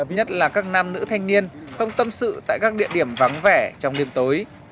nhất là các nam nữ thanh niên không tâm sự tại các địa điểm vắng vẻ trong đêm tối